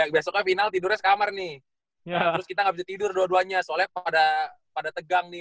besoknya final tidurnya sekamar nih terus kita nggak bisa tidur dua duanya soalnya pada pada tegang nih